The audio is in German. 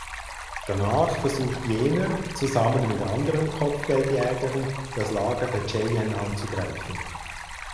Danach versucht jener zusammen mit anderen Kopfgeldjägern das Lager der Cheyenne anzugreifen.